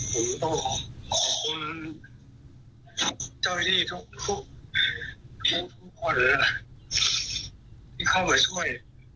ผมต้องขอขอบคุณเจ้าวิดีทุกคนที่เข้ามาช่วย